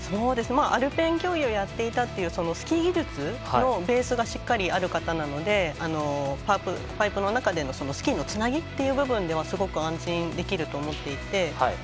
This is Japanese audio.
アルペン競技をやっていたということでスキー技術のベースがしっかりある方なのでハーフパイプの中でのスキーのつなぎの部分ではすごく安心できると思っていて。